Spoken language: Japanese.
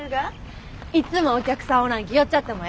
いつもお客さんおらんき寄っちゃってもええで。